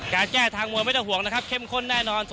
การแก้ทางมวยไม่ต้องห่วงนะครับเข้มข้นแน่นอน